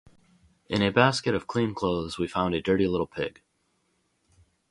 In a basket of clean clothes we found a dirty little pig.